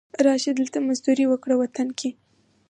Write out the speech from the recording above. را شه، دلته مزدوري وکړه وطن کې